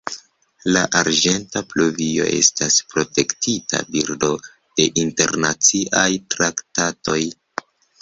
La arĝenta pluvio estas protektita birdo de internaciaj traktatoj.